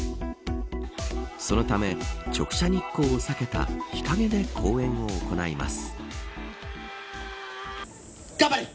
そのため、直射日光を避けた日陰で公演を行います。